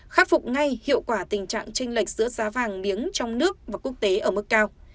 khắc phục ngay hiệu quả tình trạng tranh lệch giữa giá vàng miếng trong nước và quốc tế ở mức cao